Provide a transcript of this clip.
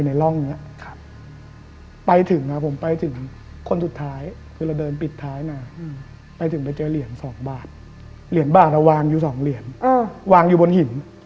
เห็นบ้างเราวางอยู่๒เหรียญวางอยู่บนหิน